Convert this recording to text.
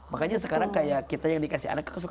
makanya sekarang kayak kita yang dikasih anak suka